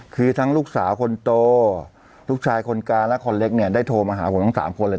คือทั้งลูกสาวคนโตลูกชายคนกลางและคนเล็กเนี่ยได้โทรมาหาผมทั้ง๓คนเลย